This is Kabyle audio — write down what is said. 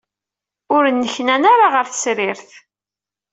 Ur nneknan ara ɣer tsertit.